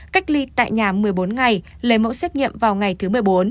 cách ly tại nhà một mươi bốn ngày lấy mẫu xét nghiệm vào ngày thứ một mươi bốn